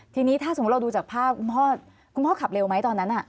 ทีนี้ถ้าสมมุติเราดูจากภาพคุณพ่อคุณพ่อขับเร็วไหมตอนนั้น